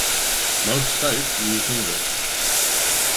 Most sites used English.